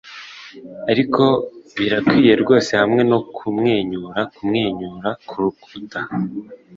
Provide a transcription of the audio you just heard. ariko, birakwiye rwose hamwe no kumwenyura kumwenyura kurukuta